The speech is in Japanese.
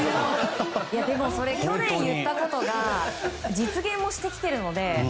でもそれ去年、言ったことが実現してきているので。